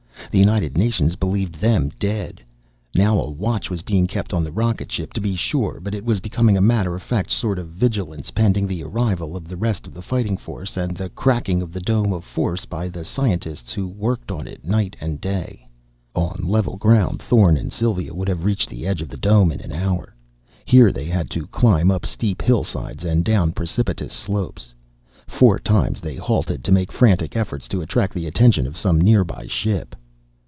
The United Nations believed them dead. Now a watch was being kept on the rocket ship, to be sure, but it was becoming a matter of fact sort of vigilance, pending the arrival of the rest of the Fighting Force and the cracking of the dome of force by the scientists who worked on it night and day. On level ground, Thorn and Sylva would have reached the edge of the dome in an hour. Here they had to climb up steep hillsides and down precipitous slopes. Four times they halted to make frantic efforts to attract the attention of some nearby ship.